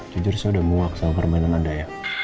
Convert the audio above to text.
jujur saya udah muak sama permainan anda ya